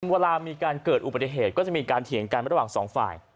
เวลามีการเกิดอุบัติเหตุก็จะมีการเถียงกันระหว่างสองฝ่าย